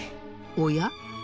おや？